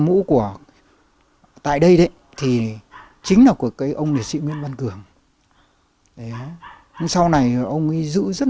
ngũ của tại đây đấy thì chính là của cái ông liệt sĩ nguyễn văn cường nhưng sau này ông ấy giữ rất